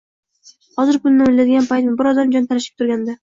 -Hozir pulni o’ylaydigan paytmi, bir odam jon talashib turganida?!